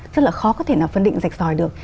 rất là khó có thể nào phân định rạch ròi được